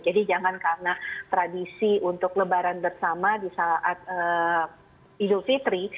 jadi jangan karena tradisi untuk lebaran bersama di saat idul fitri